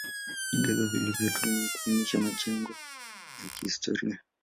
Vigezo vilivyotumiwa kuainisha majengo ya kihstoria